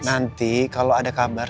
nanti kalau ada kabar